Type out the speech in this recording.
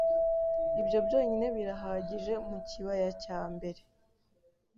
Ibyo byonyine birahagije mu kibaya cya mbere